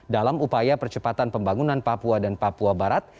dalam upaya percepatan pembangunan papua dan papua barat